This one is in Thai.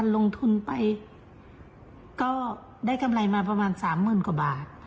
ลงทุนไปก็ได้กำไรมาประมาณ๓๐๐๐กว่าบาท